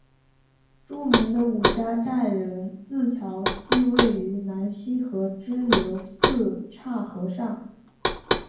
著名的五家寨人字桥即位于南溪河支流四岔河上。